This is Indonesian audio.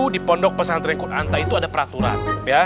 di pondok pesantren kunanta itu ada peraturan